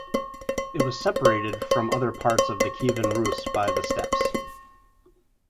It was separated from other parts of the Kievan Rus' by the steppes.